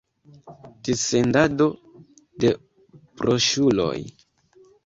Dissendado de broŝuroj.